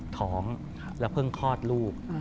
ท้องแล้วเพิ่งคลอดลูก